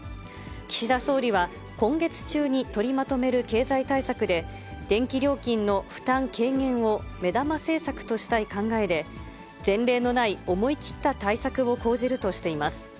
岸田総理は、今月中に取りまとめる経済対策で、電気料金の負担軽減を目玉政策としたい考えで、前例のない思い切った対策を講じるとしています。